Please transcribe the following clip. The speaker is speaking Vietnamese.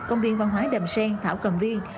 công viên văn hóa đầm sen thảo cầm viên